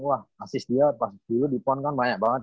wah asis dia passius dulu di pon kan banyak banget